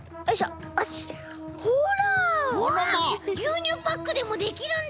ぎゅうにゅうパックでもできるんだ！